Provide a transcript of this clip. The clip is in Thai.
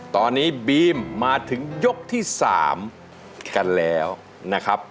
ตอนนี้บีมมาถึงยกที่๓กันแล้วนะครับ